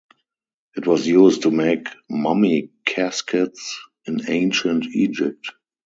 It was used to make mummy caskets in Ancient Egypt.